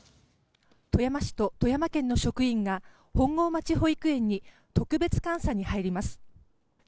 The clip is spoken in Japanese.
「富山県と市の職員が本郷町保育園に特別監査に入ります」